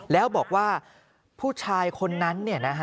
แล้วบอกว่าผู้ชายคนนั้น